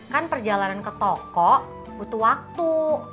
kan perjalanan ke toko butuh waktu